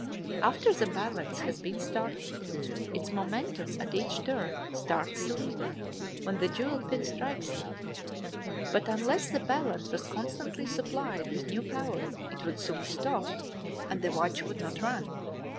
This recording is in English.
After the balance has been started, its momentum at each turn starts the lever when the jewel pin strikes it, but unless the balance was constantly supplied with new power it would soon stop, and the watch would not run.